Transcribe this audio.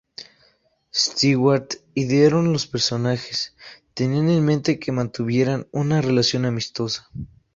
Stewart idearon los personajes, tenían en mente que mantuvieran una relación amistosa.